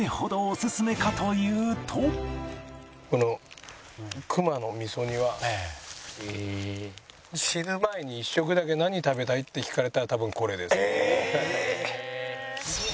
この熊の味噌煮は「死ぬ前に一食だけ何食べたい？」って聞かれたら多分これです。ええーっ！